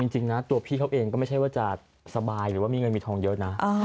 จริงนะตัวพี่เขาเองก็ไม่ใช่ว่าจะสบายหรือว่ามีเงินมีทองเยอะนะ